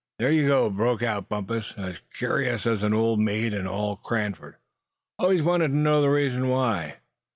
"There you go," broke out Bumpus, "as curious as any old maid in all Cranford, always wantin' to know the reason why.